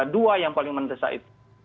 dua yang paling mendesak itu